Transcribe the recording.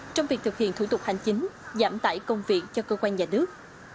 trong việc thực hiện thủ tục hành chính giảm tải công việc cho cơ quan nhà nước